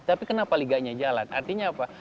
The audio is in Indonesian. tapi kenapa liganya jalan artinya apa